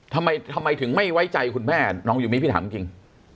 ทำไมถึงไม่ไว้ใจคุณแม่น้องยูมิพี่ถามจริง